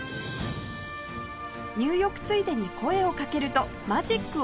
入浴ついでに声をかけるとマジックを披露してくれます